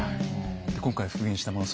今回復元したもの